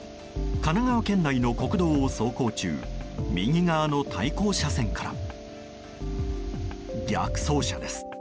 神奈川県内の国道を走行中右側の対向車線から逆走車です。